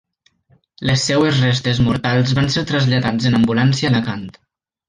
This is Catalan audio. Les seues restes mortals van ser traslladats en ambulància a Alacant.